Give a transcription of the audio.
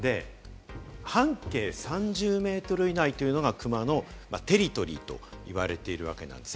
半径３０ｍ以内というのがクマのテリトリーと言われているわけなんです。